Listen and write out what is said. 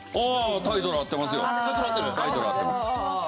タイトル合ってます。